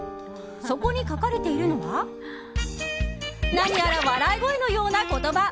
そこに書かれているのは何やら笑い声のような言葉。